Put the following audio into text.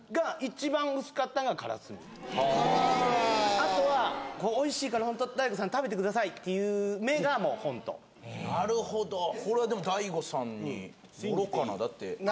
あとは「これおいしいから大悟さん食べてください」っていう目がもうホントなるほどこれはでも大悟さんに乗ろうかな